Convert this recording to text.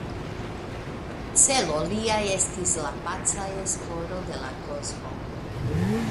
Celo lia estis la paca esploro de la kosmo.